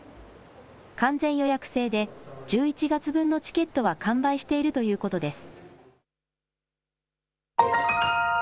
完全予約制で１１月分のチケットは完売しているということです。